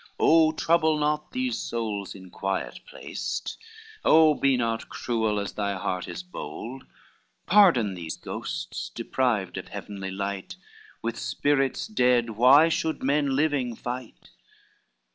Oh trouble not these souls in quiet placed, Oh be not cruel as thy heart is bold, Pardon these ghosts deprived of heavenly light, With spirits dead why should men living fight?"